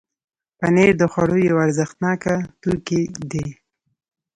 پنېر د خوړو یو ارزښتناک توکی دی.